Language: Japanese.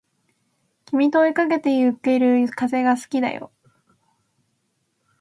君と追いかけてゆける風が好きだよ